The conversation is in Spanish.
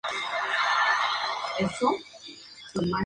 Corey Burton le presta su voz al protagonista en la versión inglesa.